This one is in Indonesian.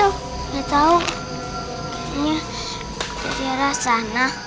udah tau kayaknya dari arah sana